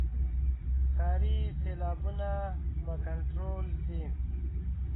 ښاري سیلابونه به کنټرول شي.